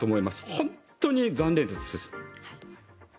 本当に残念です。